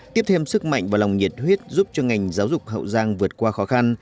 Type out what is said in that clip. tiếp thêm sức mạnh và lòng nhiệt huyết giúp cho ngành giáo dục hậu giang vượt qua khó khăn